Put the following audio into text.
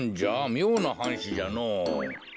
みょうなはんしじゃのぉ。